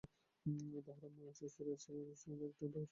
তাহার মা আছে, স্ত্রী আছে, ভদ্রসমাজ বলিয়া একটা ব্যাপার আছে।